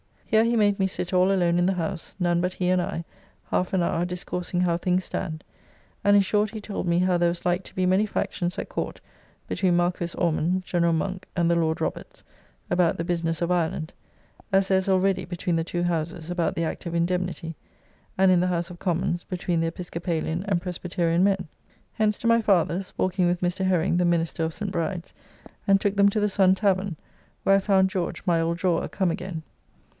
Here he made me sit all alone in the House, none but he and I, half an hour, discoursing how things stand, and in short he told me how there was like to be many factions at Court between Marquis Ormond, General Monk, and the Lord Roberts, about the business of Ireland; as there is already between the two Houses about the Act of Indemnity; and in the House of Commons, between the Episcopalian and Presbyterian men. Hence to my father's (walking with Mr. Herring, the minister of St. Bride's), and took them to the Sun Tavern, where I found George, my old drawer, come again.